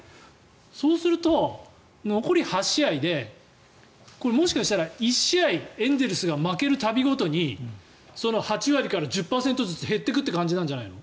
そうすると、残り８試合でもしかしたら１試合エンゼルスが負ける度ごとに、８割から１０％ずつ減っていくという感じなんじゃないの？